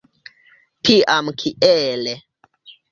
Tiam kiele?